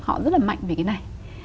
họ rất là mạnh về cái này